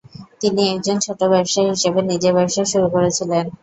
তিনি একজন ছোট ব্যবসায়ী হিসাবে নিজের ব্যবসা শুরু করেছিলেন।